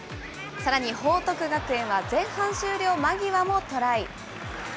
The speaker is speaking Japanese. さらに報徳学園は前半終了間際もトライ。